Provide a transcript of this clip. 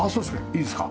いいですか？